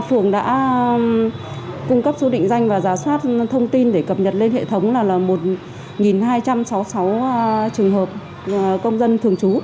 phường đã cung cấp số định danh và giả soát thông tin để cập nhật lên hệ thống là một hai trăm sáu mươi sáu trường hợp công dân thường trú